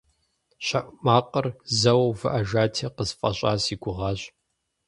ЩэӀу макъыр зэуэ увыӀэжати, къысфӀэщӀа си гугъащ.